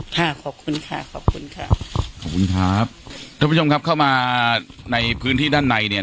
ค่ะขอบคุณค่ะขอบคุณค่ะขอบคุณครับท่านผู้ชมครับเข้ามาในพื้นที่ด้านในเนี่ย